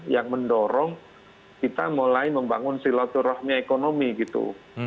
yang mendorong kita mulai membangun silaturahmi ekonomi gitu